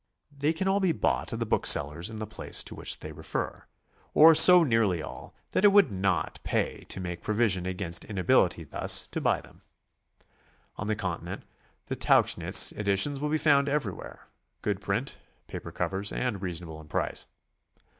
They can all be bought at the bookseller's in the place to which they refer, or so nearly all that it would not SOMEWHAT LITERARY. 253 pay to make any provision against inability thus to buy them. On the Continent the Tauchnitz editions will be found everywhere, — good print, paper covers, and reasonable in price.